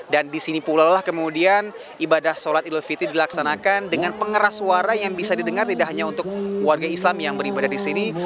dan di sini pula lah kemudian ibadah sholat ilah fitri dilaksanakan dengan pengeras suara yang bisa didengar tidak hanya untuk warga islam yang beribadah di sini